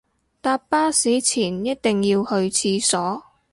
搭巴士前一定要去廁所